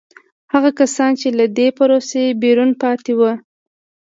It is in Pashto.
هغه کسان چې له دې پروسې بیرون پاتې وو.